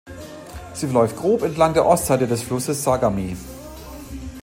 Sie verläuft grob entlang der Ostseite des Flusses Sagami.